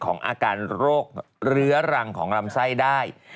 อาการโรคเรื้อรังของลำไส้ได้